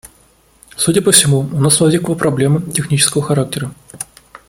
Судя по всему, у нас возникла проблема технического характера.